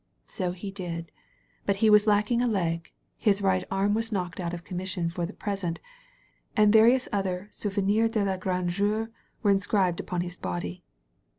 So he did. But he was lacking a leg, his right arm was knocked out of commission for the present, and various other souvenirs de la grande guerre were inscribed upon his body.